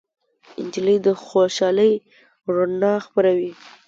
نجلۍ د خوشالۍ رڼا خپروي.